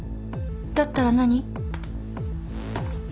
だったら何？